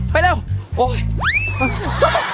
พอตายยังไง